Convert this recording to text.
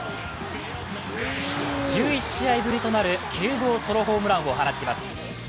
１１試合ぶりとなる９号ソロホームランを放ちます。